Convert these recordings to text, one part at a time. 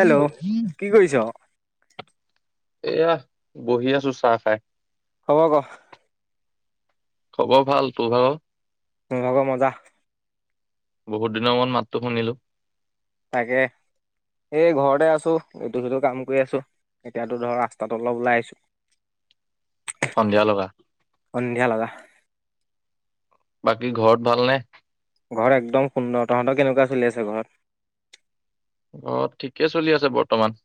Hello কি কৰিছ? এয়া বহি আছো চাহ খাই? খবৰ ক। খবৰ ভাল তোৰ ভাগ । মোৰ ভাগৰ মজা? বহুত দিনৰ মত মাতটো শুনিলো? তাকে এই ঘৰতে আছোঁ এইটো সিটো কাম কৰি আছো এতিয়াতো ধৰ ৰাস্তাত অলপ ওলাই আহিছোঁ? সন্ধিয়া লগা সন্ধিয়া লগা। বাকী ঘৰত ভালনে? ঘৰ একদম সুন্দৰ তহঁতৰ কেনেকুৱা চলি আছে ঘৰত। অ ঠিকে চলি আছে বৰ্তমান।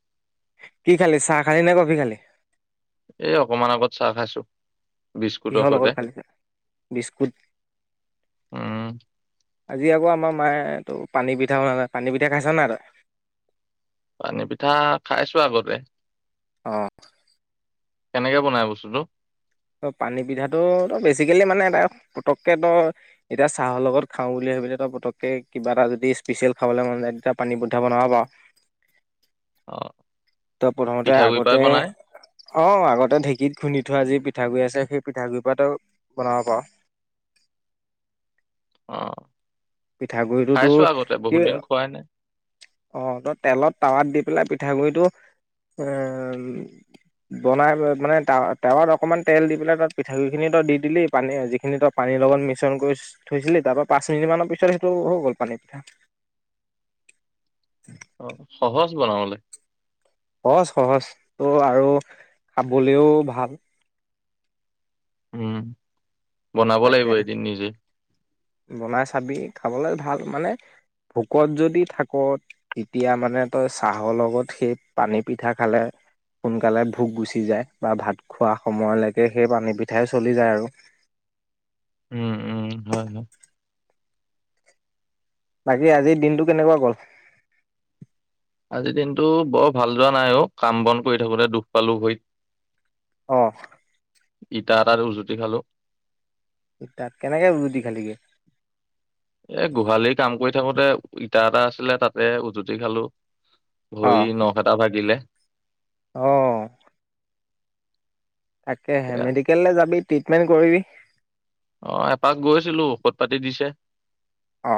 কি খালি চাহ খালি নে কফি খালি। এই অকমান আগত চাহ খাইছো বিস্কুটৰ কিহল লগৰ সৈতে খালে বিস্কুট? উম আজি আকৌ আমাৰ মায়ে তটো পানী পিঠা বনালে পানী পিঠা খাইছ নাই তই। পানী পিঠা খাইছো আগতে? অ কেনেকে বনাই বস্তুটো? ত পানী পিঠাটো তই বেছিকেলি মানে এ পতককৈ তই এতিয়া চাহৰ লগত খাওঁ বুলি ভাবি এ তই পতককৈ কিবা এটা যদি স্পেচিয়েল খাবলৈ মন যায় তেতিয়া পানী পিঠা বনাব পাৰ। অ ত প্ৰথমতে পিঠাগুৰি পৰাই আগতে বনাই অ আগতে ঢেঁকীত খুন্দী। ঠোৱা যি পিঠাগুৰি আছে সেই পিঠাগুৰি পৰাও বনাব পাৰ। অ পিঠাগুৰিটোতো খাইছো আগতে কি বহুত দিন খোৱাই নাই অ ত তেলত টাৱাত দি। পেলাই পিঠাগুৰিটো বনাই মানে তাৱ তাৱাত অকণমান তেল দি পেলাই তাত পিঠাগুৰিখিনি তই দি দিলি পানী যিখিনি তই পানীৰ লগত মিশ্ৰণ কৰি থৈছিলি তাৰ পৰা পাঁচ মিনিট মানৰ পিছত সেইটো হৈ গ'ল পানী পিঠা। অ সহজ বনাবলৈ? সহজ সহজ ত' আৰু খাবলৈও ভাল? উম বনাব লাগিব তাকে এদিন নিজে বনাই চাবি খাবলে ভাল? মানে ভোকত যদি থাক তেতিয়া মানে তই চাহৰ লগত সেই পানী পিঠা খালে সোনকালে ভোক গুচি যায় বা ভাত খোৱা সময়লৈকে সেই পানী পিঠাই চলি যায় আৰু। উম উম হয় হয় বাকী আজিৰ দিনটো কেনেকুৱা গল। আজিৰ দিনটো বৰ ভাল যোৱা নাই অ কাম বন কৰি থাকোতে দুখ পালো ভৰিত? অহ ইটা এটাত উজুতি খালো? তাত কেনেকে উজুতি খালিগে? এ গোহালি কাম কৰি থাকোতে ইটা এটা আছিলে তাতে উজুতি খালো? ভৰি নখ এটা ভাগিলে? অহ তাকেহে এয়া মেডিকেললৈ যাবি? ট্ৰিটমেণ্ট কৰিবি? আহ এপাক গৈছিলো ঔষধ পাতি দিছে? অ।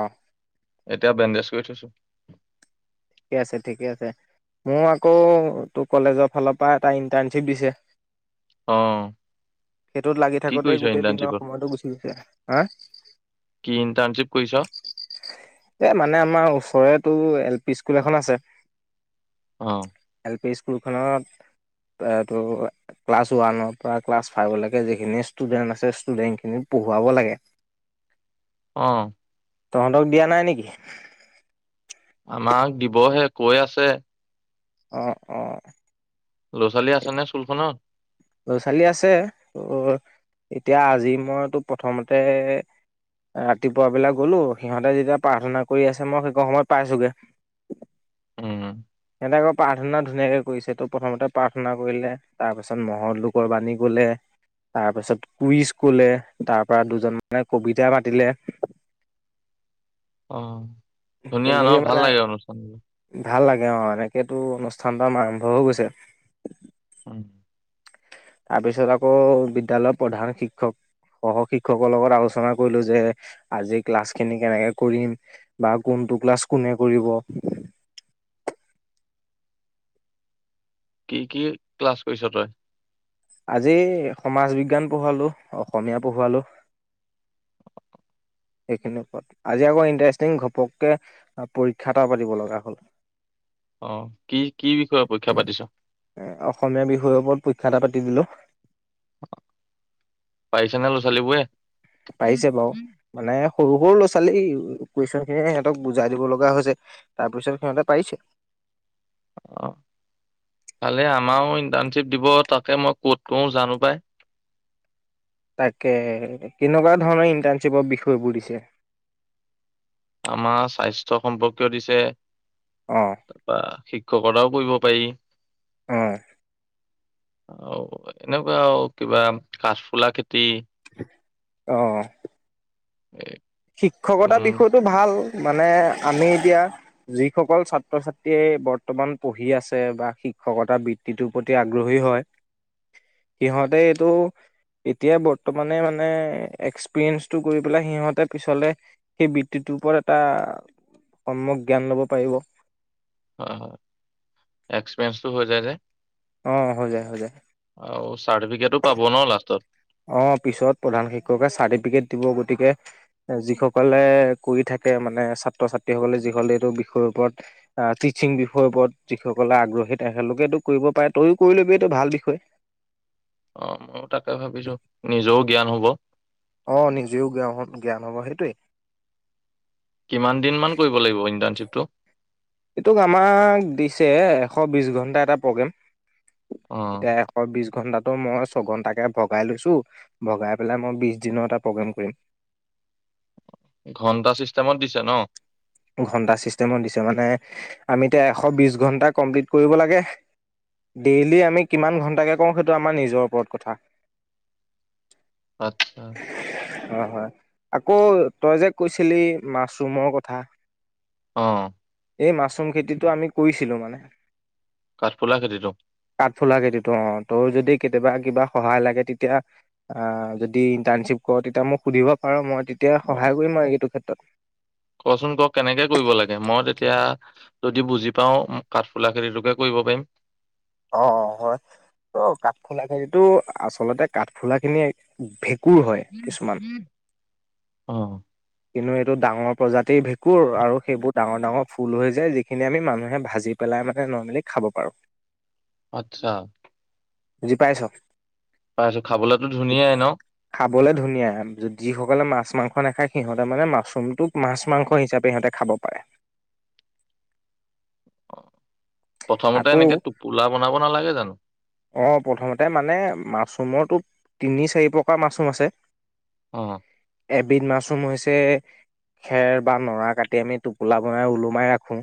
এতিয়া বেণ্ডেজ কৰি থৈছো। ঠিকে আছে, ঠিকে আছে মোৰ আকৌ তোৰ কলেজৰ ফালৰ পৰা এটা ইণ্টাৰ্ণশ্বিপ দিছে। অ সেইটোত লাগি কি থাকোঁতেই কৰিছ গোটেই দিনৰ ইণ্টাৰ্ণশ্বিপত সময়টো গুচি গৈছে। হা- কি ইণ্টাৰ্ণশ্বিপ কৰিছ? এ মানে আমাৰ ওচৰতো এল পি স্কুল এখন আছে- অ এল পি স্কু- স্কুলখনত, এইটো ক্লাছ ওৱানৰ পৰা ক্লাছ ফাইভলৈকে যিখিনি ষ্টুডেণ্ট আছে ষ্টুডেণ্টখিনি পঢ়োৱাব লাগে। অ। তহতক- দিয়া নাই নেকি? আমাক দিবহে কৈ আছে? অ, অ। ল'ৰা ছোৱালী আছে নে স্কুলখনত? ল'ৰা ছোৱালী আছে, ত এতিয়া আজি মইতো প্ৰথমতে ৰাতিপুৱা বেলা গলো সিহঁতে যেতিয়া প্ৰাৰ্থনা কৰি আছে মই সেই সময়ত পাইছোগে। উম। আ প্ৰাৰ্থনা ধুনীয়াকে কৰিছে তো প্ৰথমতে প্ৰাৰ্থনা কৰিলে, তাৰপাছত মহৎ লোকৰ বাণী কলে, তাৰপাছত কুইজ কলে, তাৰ পৰা দুজন মানে কবিতা মাতিলে- অ। ধুনীয়া ন ভাল লাগে অনুষ্ঠান- এ অ এনেকেতো অনুষ্ঠান তাম আৰম্ভ হৈ গৈছে। উম। তাৰ পিছত আকৌ বিদ্যালয়ৰ প্ৰধান শিক্ষক, সহ শিক্ষকৰ লগত আলোচনা কৰিলো যে আজি ক্লাছখিনি কেনেকে কৰিম বা কোনটো ক্লাছ কোনে কৰিব? কি কি ক্লাছ কৰিছ তই? আজি সমাজ বিজ্ঞান পঢ়ালো, অসমীয়া পঢ়োৱালো। সেইখিনিৰ ওপৰত, আজি আকৌ ইণ্টাৰেষ্টিং ঘপককে পৰীক্ষা এটা পাতিব লগা হ'ল। আহ কি কি বিষয়ে পৰীক্ষা পাতিছ? এ অসমীয়া বিষয়ৰ ওপৰত পৰীক্ষা এটা পাতি দিলো। পাৰিছেনে লৰা ছোৱালীবোৰে? পাৰিছে বাৰু, মানে- সৰু সৰু ল'ৰা ছোৱালী এই, কুৱেচন খিনিয়ে সিহঁতক বুজাই দিব লগা হৈছে তাৰ পিছত সিহঁতে পাৰিছে। অ, ভালে আমাৰো ইণ্টাৰ্ণশ্বিপ দিব তাকে মই কত কৰো জানো পাই। তাকে, কেনেকুৱা ধৰণৰ ইন্টাৰ্ণশ্বিপৰ বিষয়বোৰ দিছে। আমাৰ স্বাস্থ্য সম্পৰ্কীয় দিছে। অ তাৰপৰা সে- শিক্ষকতাও কৰিব পাৰি। আহ। অ এনেকুৱা আৰু কিবা কাঠফুলা খেতি। আহ। উ [inaudible] শিক্ষকতাৰ বিষয়টো ভাল। মানে আমি এতিয়া, যিসকল ছাত্ৰ ছাত্ৰীয়ে বৰ্তমান পঢ়ি আছে বা শিক্ষকতা বৃত্তিটোৰ প্ৰতি আগ্ৰহী হয়, সিহঁতে এইটো এতিয়া বৰ্তমানে মানে এক্সপিৰিয়েঞ্চটো কৰি পেলাই সিহঁতে পিছলে, সেই বৃত্তিটোৰ ওপৰত এটা সময়ক জ্ঞান ল'ব পাৰিব। হয় হয় এক্সপিৰিয়েঞ্চটো হৈ যায় যে। অ, হৈ যায়, হৈ যায়। আৰু চাৰ্টিফিকেটো পাব ন লাষ্টত। অ পিছত প্ৰধান শিক্ষকে চাৰ্টিফিকেট দিব গতিকে যিসকলে কৰি থাকে মানে ছাত্ৰ ছাত্ৰীসকলে যিসকলে এইটো বিষয়ৰ ওপৰত টিচিং বিষয়ৰ ওপৰত যিসকলে আগ্ৰহী, তেখেতলোকেতো কৰিব পাৰে তয়ো কৰি লবি এইটো ভাল বিষয়। অ ময়ো তাকে ভাবিছো নিজেও জ্ঞান হব। আহ, নিজেও জ্ঞান জ্ঞান হ'ব সেইটোৱেই। কিমান দিন মান কৰিব লাগিব, ইণ্টাৰ্ণশ্বিপটো? এইটোক আমাক দিছে, এশ বিশ ঘণ্টা এটা প্ৰগ্ৰেম অ এতিয়া এশ বিশ। এক ঘণ্টাটো মই ছঘন্টাকে ভগাই লৈছোঁ, ভগাই পেলাই মই বিশ দিনৰ এটা প্ৰগ্ৰেম কৰিম। ঘন্টা চিষ্টেমত দিছে ন? ঘণ্টা ছিষ্টেমত দিছে মানে আমি এতিয়া এশ বিছ ঘণ্টা কমপ্লিট কৰিব লাগে, ডেইলি আমি কিমান ঘণ্টাকে কওঁ সেইটো আমাৰ নিজৰ ওপৰত কথা। আচ্ছা। হয় হয় আকৌ তই যে কৈছিলি মাছৰুমৰ কথা। আঁ। এই মাছৰুম খেতিটো আমি, কৰিছিলো মানে। কাঠফুলা খেতিটো কাঠফুলা খেতিটো অ, তোৰ যদি কেতিয়াবা কিবা সহায় লাগে। তেতিয়া আহ যদি ইণ্টাৰ্ণশিপ কৰ, তেতিয়া মই সুধিব পাৰো মই। তেতিয়া অ সহায় কৰিম আৰু এইটো ক্ষেত্ৰত। তাত। কচোন ক কেনেকে কৰিব লাগে, মই তেতিয়া যদি বুজি পাওঁ কাঠফুলা খেতিটোকে কৰিব পাৰিম। অ হয় ত কাঠফুলা খেতিটো আচলতে কাঠফুলা খিনি। কোৰ হয় কিছুমান। অ কিন্তু এইটো ডাঙৰ প্ৰজাতিৰ ভেঁকুৰ আৰু সেইবোৰ ডাঙৰ ডাঙৰ ফুল হৈ যায় যিখিনি আমি মানুহে ভাজি পেলাই মানে নৰ্মেলি খাব পাৰোঁ। [unintelligible] বুজি পাইছ পাইছো খাবলেতো ধুনীয়াই ন খাবলৈ ধুনীয়া যিসকলে মাছ মাংস নাখায়। সিহঁতে মানে মাছৰুমটো মাছ মাংস হিচাপে সিহঁতে খাব পাৰে। প্ৰথমতে আকৌ, এনেকে টোপোলা বনাব নালাগে জানো অ প্ৰথমতে মানে মাছ। ৰুমটো তিনি চাৰি প্ৰকাৰ মাছৰুম আছে। অঁ। এবিধ মাছৰুম হৈছে, খেৰ বা নৰা কাটি আমি টোপোলা বনাই ওলোমাই ৰাখোঁ।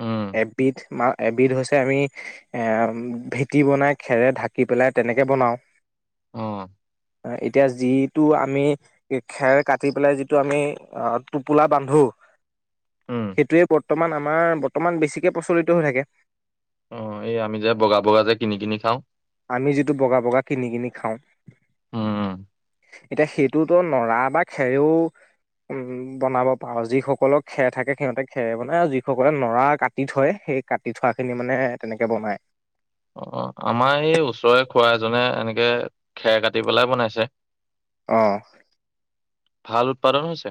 উম এবিধ। ম এবিধ হৈছে, আমি এ ভেটি বনাই খেৰে ঢাকি পেলাই তেনেকে বনাওঁ। অঁ। এতিয়া যিটো আমি, খেৰ কাটি পেলাই যিটো আমি টোপোলা বান্ধো। উম সেইটোৱে। বৰ্তমান আমাৰ বৰ্তমান বেছিকৈ প্ৰচলিত হৈ থাকে। অ এই আমি যে বগা বগা যে কিনি কিনি খাওঁ। আমি যিটো, বগা বগা কিনি কিনি খাওঁ। উম এতিয়া সেইটোতো নৰা বা খেৰেও বনাব পাৰো ।যিসকলৰ খেৰ থাকে সিহঁতে খেৰে বনায় আৰু যিসকলে নৰা কাটি থয় সেই কাটি থোৱাখিনি মানে তেনেকে বনায়। অ অ আমাৰ এই, ওচৰৰে খোৱা এজনে এনেকে খেৰ কাটি পেলাই বনাইছে। আহ। ভাল উৎপাদন হৈছে।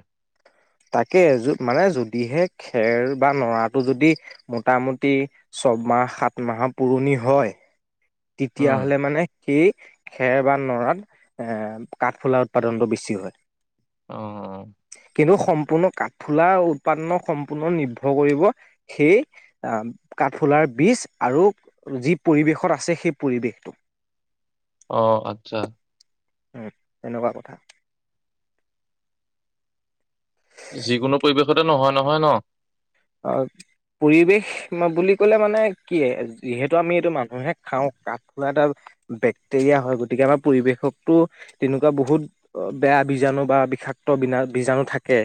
তাকে মানে যদিহে খেল বা লৰাটো যদি হে মোটামুটি ছয়মাহ সাত মাহৰ পুৰণি হয়। উম তেতিয়াাহ'লে মানে কি খেৰ বা নৰাত এ কাঠফুলাৰ উৎপাদনটো বেছি হয়। অ কিন্তু সম্পূৰ্ণ কাঠফুলাৰ উৎপাদন সম্পূৰ্ণ নিৰ্ভৰ কৰিব সেই কাঠফুলাৰ বীজ আৰু যি পৰিৱেশত আছে সেই পৰিৱেশটো আহ আচ্ছা এনেকুৱা কথা যিকোনো পৰিৱেশতে নহয় নহয় ন পৰিৱেশ বুলি কলে মানে কি যিহেতু আমি এইটো মানুহে খাওঁ কাঠ ধৰা এটা বেক্টেৰিয়া হয় গতিকে আমাৰ পৰিৱেশকতো তেনেকুৱা বহুত বেয়া বীজাণু বা বিষাক্ত বিনা বীজাণু থাকে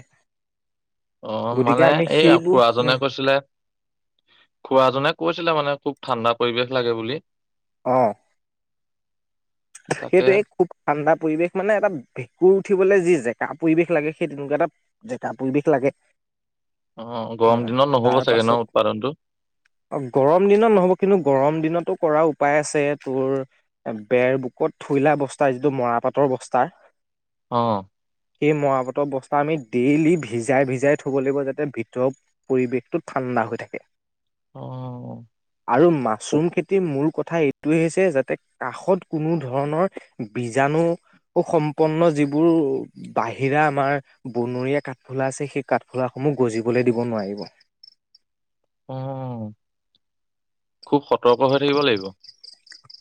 অ গতিকে মানে আমি এই সেইবোৰ আখোৰা জনে উম কৈছিলে খোৱা জনে কৈছিলে মানে খুব ঠাণ্ডা পৰিবেশ লাগে বুলি আহ তাকে সেইটোয়ে খুব ঠাণ্ডা পৰিৱেশ মানে এটা ভেঁকুৰ উঠিবলৈ যি জেকা পৰিৱেশ লাগে সেই তেনেকুৱা এটা জেকা পৰিৱেশ লাগে অ হ গৰম দিনত নহ'ব তাৰ চাগে ন পাছত উৎপাদনটো অ গৰম দিনত নহব কিন্তু গৰম দিনতো কৰা উপায় আছে তোৰ বেৰ কত থুইলা বস্তাৰ যিটো মৰাপাটৰ বস্তাৰ অ সেই মৰাপাতৰ বস্তা আমি ডেইলি ভিজাই ভিজাই থ'ব লাগিব যাতে ভিতৰৰ পৰিৱেশটো ঠাণ্ডা হৈ থাকে। অ আৰু খুব মাছৰুম খেতি মোৰ কথা এইটোৱে হৈছে যাতে কাষত কোনো ধৰণৰ বীজাণু সম্পন্ন যিবোৰ বাহিৰা আমাৰ বনৰীয়া কাঠফুলা আছে সেই কাঠফুলাস সমূহ গজিবলৈ দিব নোৱাৰিব। উম খুব সতৰ্ক হৈ থাকিব লাগিব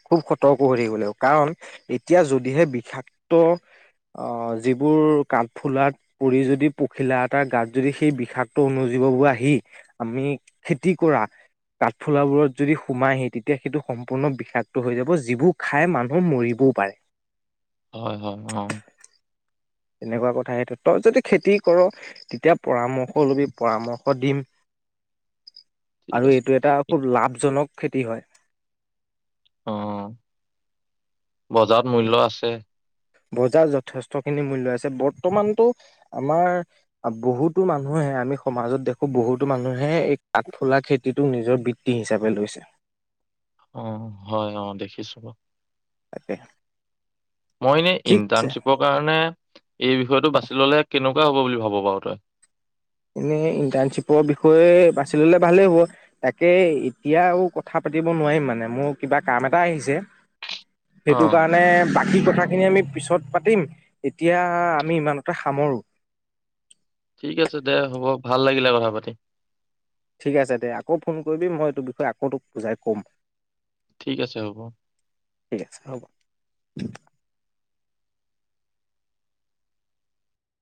খুব সতৰ্ক হৈ থাকিব লাগ কাৰণ এতিয়া যদিহে বিষাক্ত আহ যিবোৰ কাঠফুলাত পৰি যদি পখিলা এটা গাত যদি সেই বিষাক্ত অনুজীৱবোৰ আহি আমি খেতি কৰা কাঠফুলাবোৰত যদি সোমাইহি তেতিয়া সেইটো সম্পূৰ্ণ বিষাক। হৈ যাব যিবোৰ খাই মানুহ মৰিবও পাৰে।, হয় হয় উ তেনেকুৱা কথাই সেইটো তই যদি খেতি কৰ তেতিয়া পৰামৰ্শ ল'বি পৰামৰ্শ দিম ঠিক আৰু আছে এইটো এটা খুব লাভজনক খেতি হয়। অ বজাৰত মূল্য আছে। বজাৰ যথেষ্টখিনি মূল্য আছে বৰ্তমানতো আমাৰ বহুতো মানুহে আমি সমাজত দেখো বহুতো মানুহে এই কাঠফুলা খেতিটোক নিজৰ বৃত্তি হিচাপে লৈছে অ হয় অ দেখিছো বাৰু তাকে মই এনে ঠিক আছে ইণ্টাৰ্ণশ্বিপৰ কাৰণে এই বিষয়টো বাছি ললে কেনেকোৱা হ'ব বুলি ভাব বাৰু তই এনেই ইণ্টাৰ্ণশ্বিপৰ বিষয়ে বাছি ল'লে ভালেই হ'ব তাকে এতিয়া আৰু কথা পাতিব নোৱাৰিম মানে মোৰ কিবা কাম এটা আহিছে অ সেইটো কাৰণে । এ কথাখিনি আমি পিছত পাতিম তেতিয়া আমি ইমানতে সামৰোঁ । ঠিক আছে দে হ'ব ভাল লাগিলে কথা পাতি । ঠিক আছে দে আকৌ ফোন কৰিবি মই টোৰ বিষয়ে আকৌ তোক বুজাই কম । ঠিক আছে হ'ব । ঠিক আছে হ'ব। [inaudible]